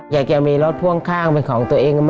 อยากจะมีรถพ่วงข้างเป็นของตัวเอง